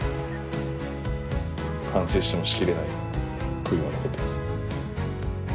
反省してもしきれない悔いが残ってます。